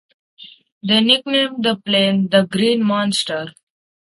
They nicknamed the plane the "Green Monster".